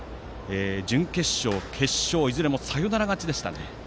準決勝、決勝いずれもサヨナラ勝ちでしたね。